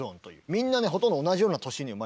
みんなねほとんど同じような年に生まれてんの。